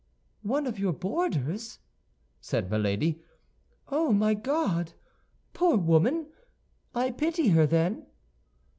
"One of your boarders?" said Milady; "oh, my God! Poor woman! I pity her, then."